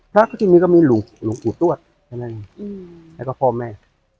พอทีนี้ก็มีหลวงอุตรวจใช่ไหมแล้วก็พ่อแม่